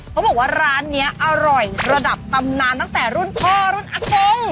เขาบอกว่าร้านนี้อร่อยระดับตำนานตั้งแต่รุ่นพ่อรุ่นอากง